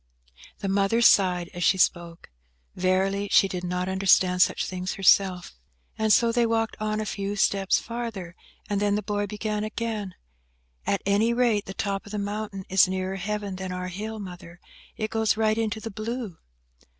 The mother sighed as she spoke. Verily, she did not understand such things herself. And so they walked on a few steps farther, and then the boy began again,– "At any rate, the top of the mountain is nearer Heaven than our hill, Mother. It goes right into the blue."